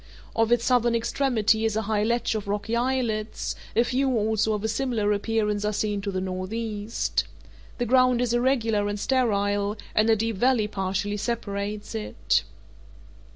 Off its southern extremity is a high ledge of rocky islets; a few also of a similar appearance are seen to the northeast. The ground is irregular and sterile, and a deep valley partially separates it.